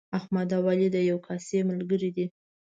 احمد او علي د یوې کاسې ملګري دي.